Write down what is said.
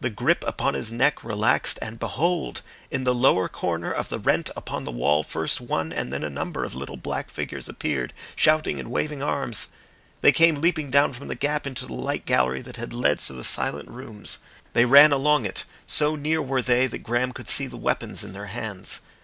The grip upon his neck relaxed, and behold! in the lower corner of the rent upon the wall, first one and then a number of little black figures appeared shouting and waving arms. They came leaping down from the gap into the light gallery that had led to the Silent Rooms. They ran along it, so near were they that Graham could see the weapons in their hands.